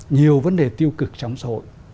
nhiều vấn đề tiêu cực trong xã hội